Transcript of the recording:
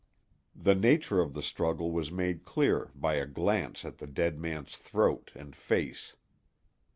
The nature of the struggle was made clear by a glance at the dead man's throat and face.